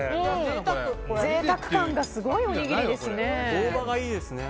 贅沢感がすごいおにぎりですね。